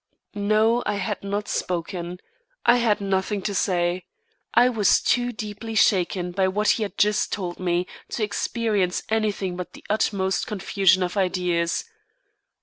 No, I had not spoken. I had nothing to say. I was too deeply shaken by what he had just told me, to experience anything but the utmost confusion of ideas.